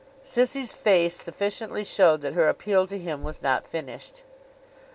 Sissy's face sufficiently showed that her appeal to him was not finished.